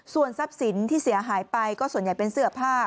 ส่วนทรัพย์สินที่เสียหายไปก็ส่วนใหญ่เป็นเสื้อผ้า